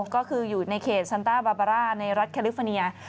ก็คืออยู่ในเขตซันต้าบาบาร่าในรัฐแคลิฟอร์เนีย